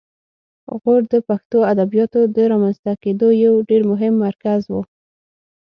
غور د پښتو ادبیاتو د رامنځته کیدو یو ډېر مهم مرکز و